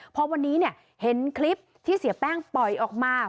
พอวันนี้เห็นคลิปที่เสียแป้งปล่อยออกมา